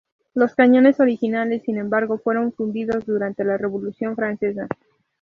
Los cañones originales, sin embargo, fueron fundidos durante la Revolución Francesa.